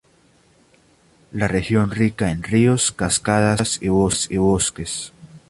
La región rica en ríos, cascadas, grutas y bosques.